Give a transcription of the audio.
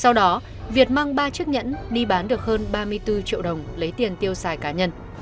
sau đó việt mang ba chiếc nhẫn đi bán được hơn ba mươi bốn triệu đồng lấy tiền tiêu xài cá nhân